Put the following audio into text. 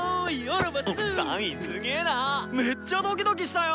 めっちゃドキドキしたよ。